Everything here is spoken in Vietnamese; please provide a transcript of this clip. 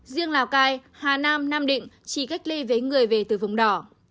riêng lào cai hà nam nam định chỉ cách ly với người về từ vùng đỏ